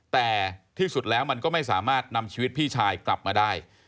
แต่ที่สุดแล้วมันก็ไม่สามารถนำชีวิตพี่ชายกลับมาได้